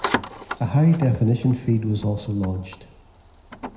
A high definition feed was also launched.